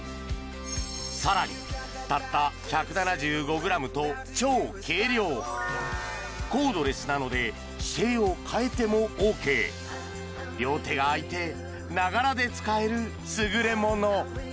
さらにたった１７５ｇと超軽量コードレスなので姿勢を変えてもＯＫ両手が空いて「ながら」で使える優れもの